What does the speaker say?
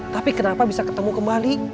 tapi kenapa bisa ketemu kembali